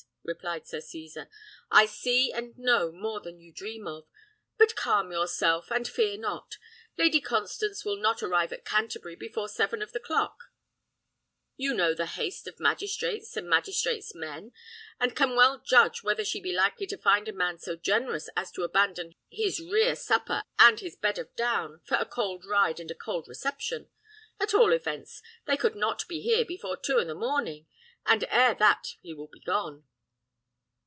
replied Sir Cesar: "I see and know more than you dream of, but calm yourself, and fear not. Lady Constance will not arrive at Canterbury before seven o' the clock: you know the haste of magistrates and magistrates' men, and can well judge whether she be likely to find a man so generous as to abandon his rere supper and his bed of down, for a cold ride and a cold reception. At all events, they could not be here before two i' the morning, and ere that he will be gone.